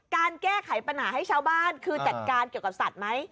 การแก้ไขปัญหาให้ชาวบ้านคือจัดการเกี่ยวกับสัตว์ไหม